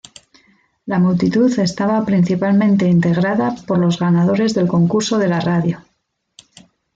La multitud estaba principalmente integrada por los ganadores del concurso de la radio.